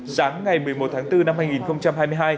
sáng ngày một mươi một tháng bốn năm hai nghìn hai mươi hai